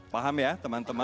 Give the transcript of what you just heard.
paham ya teman teman